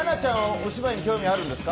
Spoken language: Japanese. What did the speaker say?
お芝居に興味あるんですか。